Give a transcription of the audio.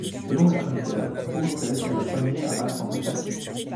Selon les chroniqueurs, Bourtzès est le premier à battre en retraite.